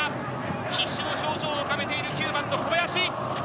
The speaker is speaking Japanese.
必死の表情を浮かべている９番の小林。